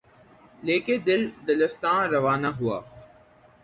لے کے دل، دلستاں روانہ ہوا